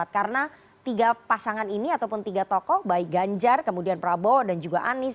karena tiga pasangan ini ataupun tiga tokoh baik ganjar kemudian prabowo dan juga anies